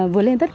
vừa lên tất cả